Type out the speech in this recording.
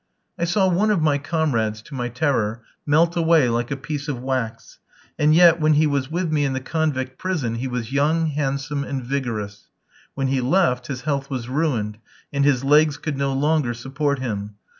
I saw one of my comrades, to my terror, melt away like a piece of wax; and yet, when he was with me in the convict prison, he was young, handsome, and vigorous; when he left his health was ruined, and his legs could no longer support him.